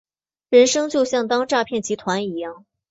人生就像当诈骗集团一样